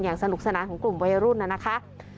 สนุกสนานของกลุ่มวัยรุ่นน่ะนะคะ